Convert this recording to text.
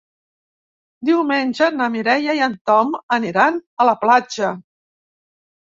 Diumenge na Mireia i en Tom aniran a la platja.